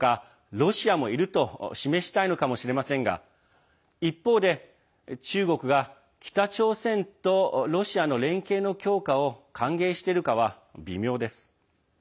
ロシアもいると示したいのかもしれませんが一方で中国が北朝鮮とロシアの連携の強化を歓迎しているかは微妙です。